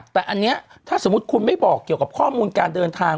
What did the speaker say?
แต่อันนี้ถ้าสมมุติคุณไม่บอกเกี่ยวกับข้อมูลการเดินทาง